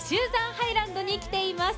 ハイランドに来ています。